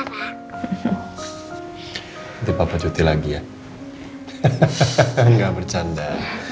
nanti papa cuti lagi ya hahaha gak bercanda